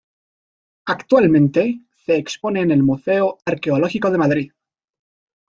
Actualmente se expone en el museo arqueológico de Madrid.